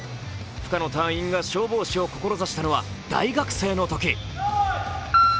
深野隊員が消防士を志したのは大学生のとき。